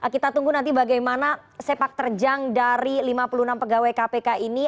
kita tunggu nanti bagaimana sepak terjang dari lima puluh enam pegawai kpk ini